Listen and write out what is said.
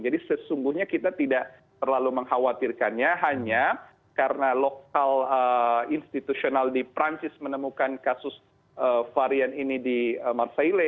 jadi sesungguhnya kita tidak terlalu mengkhawatirkannya hanya karena lokal institusional di prancis menemukan kasus varian ini di marseille